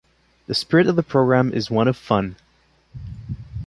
The spirit of the program is one of fun.